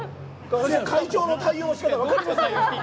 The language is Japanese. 会長の対応の仕方は分かりません。